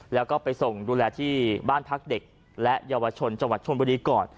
แล้วก็ไปส่งดูแลที่บ้านพักเด็กและเยาวชนจังหวัดชนบุรีก่อน